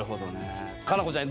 佳菜子ちゃん